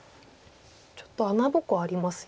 ちょっと穴ぼこありますよね。